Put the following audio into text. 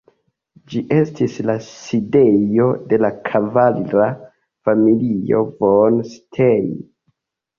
Ĝi estis la sidejo de la kavalira familio von Stein.